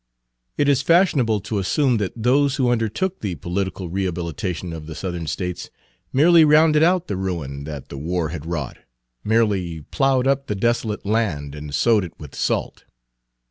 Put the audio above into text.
It is fashionable to assume that those who undertook the political rehabilitation of the Southern States merely rounded out the ruin that the war had wrought merely ploughed up Page 150 the desolate land and sowed it with salt.